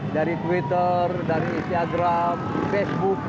dari twitter dari instagram facebook